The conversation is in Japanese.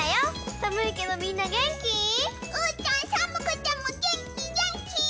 さむいけどみんなげんき？うーたんさむくてもげんきげんき！